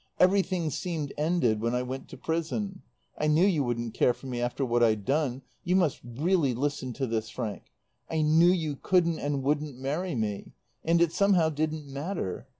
Everything seemed ended when I went to prison. I knew you wouldn't care for me after what I'd done you must really listen to this, Frank I knew you couldn't and wouldn't marry me; and it somehow didn't matter.